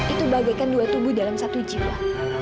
itu bagaikan dua tubuh dalam satu jiwa